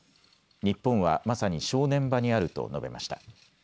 日本はまさに正念場にあると述べました。